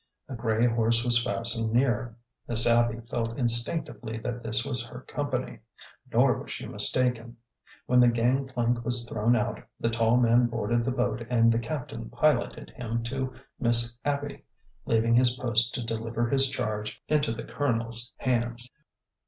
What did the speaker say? A gray horse was fastened near. Miss Abby felt instinc tively that this was her company. Nor was she mistaken. When the gang plank was thrown out, the tall man boarded the boat and the captain piloted him to Miss 20 ORDER NO. 11 Abby, leaving his post to deliver his charge into the Colo nel's hands.